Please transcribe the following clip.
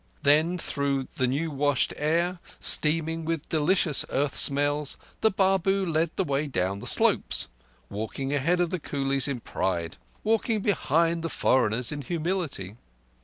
Then through the new washed air, steaming with delicious earth smells, the Babu led the way down the slopes—walking ahead of the coolies in pride; walking behind the foreigners in humility.